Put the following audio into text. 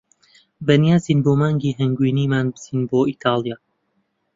بەنیازین بۆ مانگی هەنگوینیمان بچین بۆ ئیتالیا.